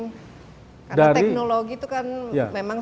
karena teknologi itu kan memang